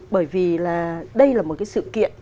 bởi vì là đây là một cái sự kiện